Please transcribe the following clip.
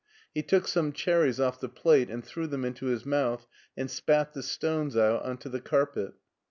He took some cherries off the plate and threw them into his mouth, and spat the stones out on to the carpet.